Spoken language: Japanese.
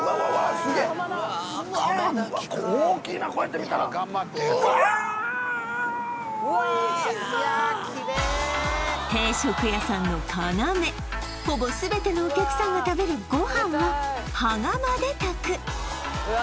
すげえうわ大きいなこうやって見たらうわーっうわーっおいしそう定食屋さんの要ほぼ全てのお客さんが食べるごはんは羽釜で炊くうわ